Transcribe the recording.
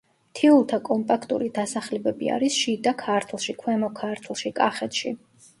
მთიულთა კომპაქტური დასახლებები არის შიდა ქართლში, ქვემო ქართლში, კახეთში.